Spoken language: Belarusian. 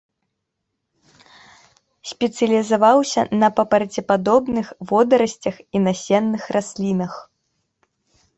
Спецыялізаваўся на папарацепадобных, водарасцях і насенных раслінах.